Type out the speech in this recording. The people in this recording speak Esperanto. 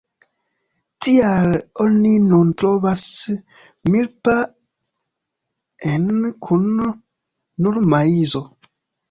Tial oni nun trovas "milpa"-jn kun nur maizo.